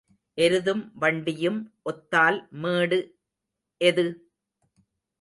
எருதும் வண்டியும் ஒத்தால் மேடு எது?